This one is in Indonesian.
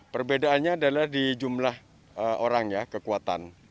perbedaannya adalah di jumlah orang ya kekuatan